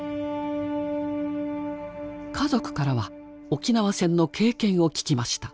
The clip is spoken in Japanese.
家族からは沖縄戦の経験を聞きました。